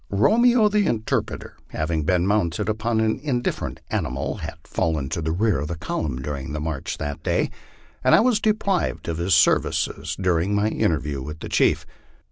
Romeo, the interpreter, having been mounted upon an indifferent animal, had fallen to the rear of the column during the march that day, and I was deprived of his services during my interview with the chief.